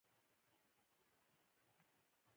د حج او زیارت پروسه منظمه او اسانه وي.